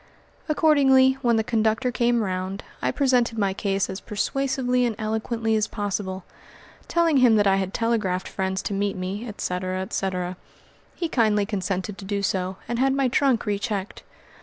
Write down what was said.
Accordingly, when the conductor came round, I presented my case as persuasively and eloquently as possible, telling him that I had telegraphed friends to meet me, etc., etc. He kindly consented to do so and had my trunk re checked.